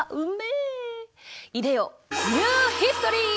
いでよニューヒストリー！